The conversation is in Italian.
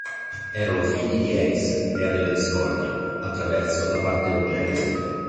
Erano figli di Eris, dea della discordia, attraverso la partenogenesi.